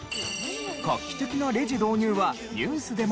画期的なレジ導入はニュースでも報じられ。